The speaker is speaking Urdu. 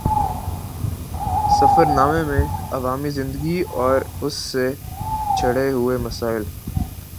سفر نامے میں عوامی زندگی اور اُس سے جڑے ہوئے مسائل